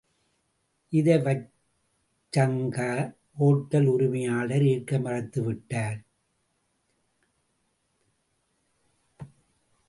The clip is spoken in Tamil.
இதை வச்சக்கங்க!.. ஒட்டல் உரிமையாளர் ஏற்க மறத்துவிட்டார்.